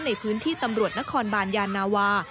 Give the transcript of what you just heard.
ในพื้นที่ตำรวจนครบานยานาวา